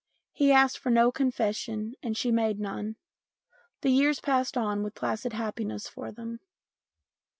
He asked for no confession and she made none. The years passed on with placid happiness for them.